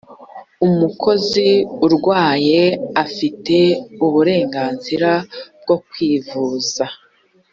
umukozi urwaye afite uburenganzira bwo kwivuza.